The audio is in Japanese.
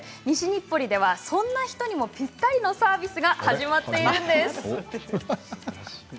西日暮里ではそんな人にもぴったりのサービスが始まっているんです。